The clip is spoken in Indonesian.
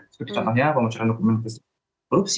seperti contohnya penguncuran dokumen kursi